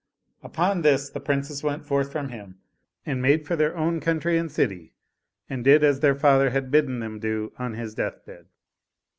Upon this the Princes went forth from him and made for their own country and city and did as their father had bidden them do on his death bed.